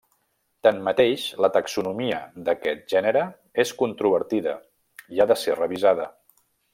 Tanmateix, la taxonomia d'aquest gènere és controvertida i ha de ser revisada.